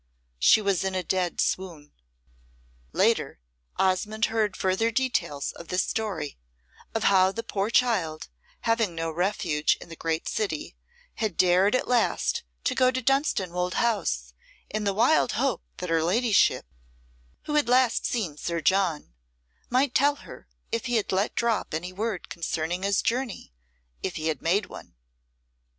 She was in a dead swoon. Later Osmonde heard further details of this story of how the poor child, having no refuge in the great city, had dared at last to go to Dunstanwolde House in the wild hope that her ladyship, who had last seen Sir John, might tell her if he had let drop any word concerning his journey if he had made one.